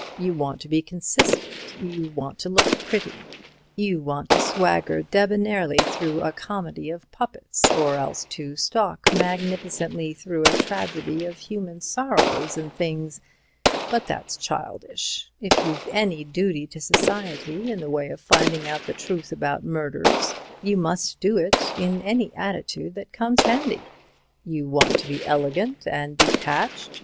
You want to be consistent, you want to look pretty, you want to swagger debonairly through a comedy of puppets or else to stalk magnificently through a tragedy of human sorrows and things. But that's childish. If you've any duty to society in the way of finding out the truth about murders, you must do it in any attitude that comes handy. You want to be elegant and detached?